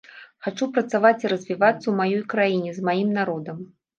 Хачу працаваць і развівацца ў маёй краіне, з маім народам.